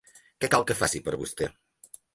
Què cal que faci per vostè?